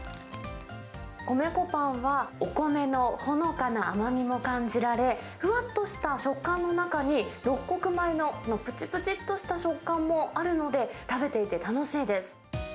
米粉パンはお米のほのかな甘みも感じられ、ふわっとした食感の中に六穀米のぷちぷちっとした食感もあるので、食べていて楽しいです。